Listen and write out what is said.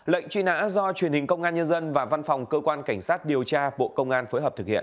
lệnh truy nã do truyền hình công an nhân dân và văn phòng cơ quan cảnh sát điều tra bộ công an phối hợp thực hiện